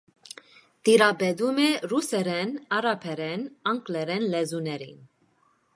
Տիրապետում է ռուսերեն, արաբերեն, անգլերեն լեզուներին։